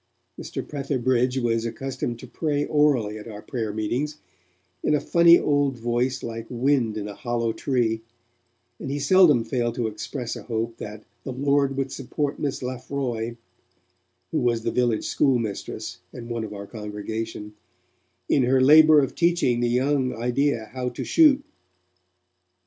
Mr. Petherbridge was accustomed to pray orally at our prayer meetings, in a funny old voice like wind in a hollow tree, and he seldom failed to express a hope that 'the Lord would support Miss Lafroy' who was the village schoolmistress, and one of our congregation, 'in her labour of teaching the young idea how to shoot'.